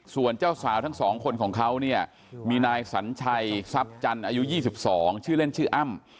ส่วนเจ้าสาวทั้งสองคนของเขาเนี่ยมีนายสัญชัยทรัพย์จันทร์อายุ๒๒ชื่อเล่นชื่ออ้ำ